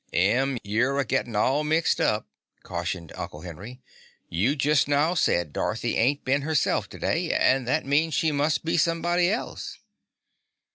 "Em, you're a gittin' all mixed up," cautioned Uncle Henry. "You jest now said Dorothy ain't been herself today that means she must be somebody else."